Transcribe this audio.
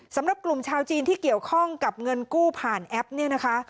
สำหรับกลุ่มชาวจีนที่เกี่ยวข้องกับเงินกู้ผ่านแอปเนี่ยนะคะ